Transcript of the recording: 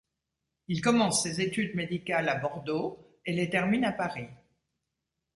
Il commence ses études médicales à Bordeaux et les termine à Paris.